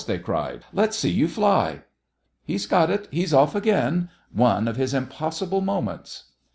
they cried. "Let's see you fly!" "He's got it! He's off again! One of his impossible moments."